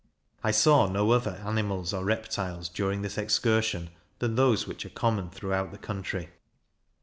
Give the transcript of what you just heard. I saw no other animals or reptiles, during this excursion, than those which are common throughout the country.